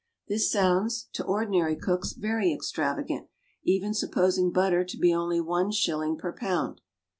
This sounds, to ordinary cooks, very extravagant, even supposing butter to be only one shilling per pound.